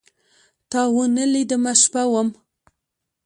تاونه لیدمه، شپه وم